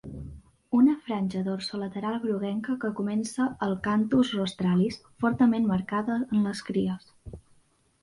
Una franja dorsolateral groguenca que comença al "canthus rostralis", fortament marcada en les cries.